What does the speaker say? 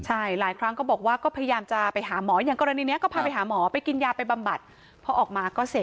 ใช่หลายครั้งบอกว่าก็พยายามจะไปหามอ